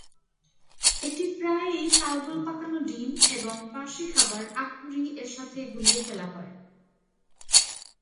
এটি প্রায়ই তালগোল পাকানো ডিম এবং পারসি খাবার "আকুরি" এর সাথে গুলিয়ে ফেলা হয়।